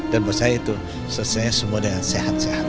dan buat saya itu selesai semua dengan sehat sehat